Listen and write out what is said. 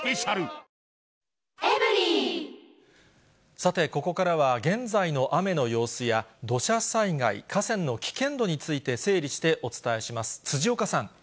さて、ここからは現在の雨の様子や、土砂災害、河川の危険度について整理してお伝えします。